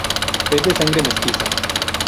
Es de Sangre Mestiza.